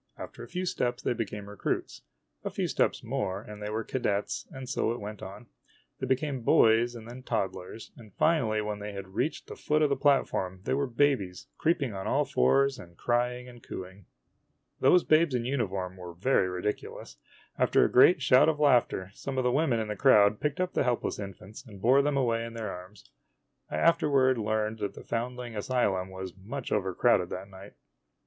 After a few steps they became recruits. A few steps more, and they were cadets, and so it went on. They became boys and then toddlers ; and finally, when they reached the foot of the platform, they were babies, creeping on all fours and crying and cooing. Those babes in uniform were very ridiculous. After a great shout of laughter, some of the women in the crowd picked up the helpless infants and bore them away in their arms. I afterward learned that the foundling asylum was much overcrowded that night.